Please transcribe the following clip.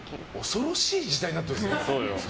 恐ろしい時代になってる。